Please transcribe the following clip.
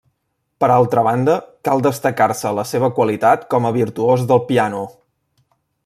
Per altra banda, cal destacar-se la seva qualitat com a virtuós del piano.